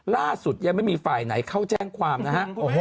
ล่าสุดยังไม่มีฝ่ายไหนเข้าแจ้งความนะฮะ